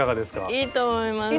いいと思います。